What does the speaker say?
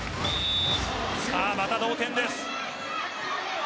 また同点です